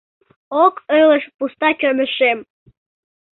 Ок ылыж пуста чонешем.